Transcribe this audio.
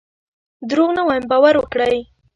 دروغ نه وایم باور وکړئ.